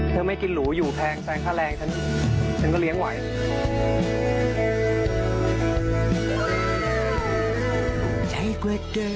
ไม่กินหรูอยู่แทงแซงค่าแรงฉันฉันก็เลี้ยงไหว